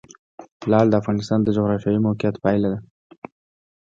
لعل د افغانستان د جغرافیایي موقیعت پایله ده.